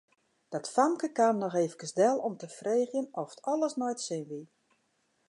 Dat famke kaam noch efkes del om te freegjen oft alles nei't sin wie.